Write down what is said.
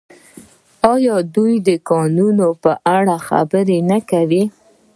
آیا دوی د کانونو په اړه خبرې نه کوي؟